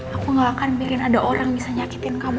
aku gak akan bikin ada orang bisa nyakitin kamu